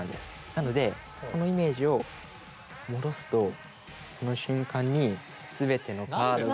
なのでこのイメージを戻すとこの瞬間に全てのカードが。